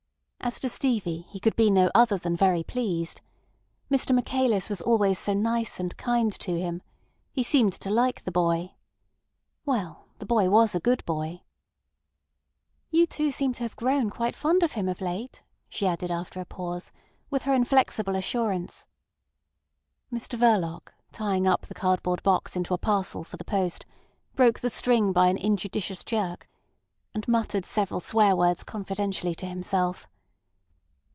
As to Stevie, he could be no other than very pleased. Mr Michaelis was always so nice and kind to him. He seemed to like the boy. Well, the boy was a good boy. "You too seem to have grown quite fond of him of late," she added, after a pause, with her inflexible assurance. Mr Verloc tying up the cardboard box into a parcel for the post, broke the string by an injudicious jerk, and muttered several swear words confidentially to himself.